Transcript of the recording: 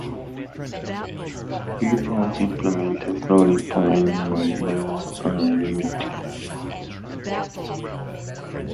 It also implemented floating-point numeric variables and arithmetic.